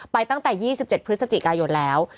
ตั้งแต่๒๗พฤศจิกายนแล้ว